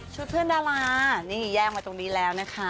เพื่อนดารานี่แย่งมาตรงนี้แล้วนะคะ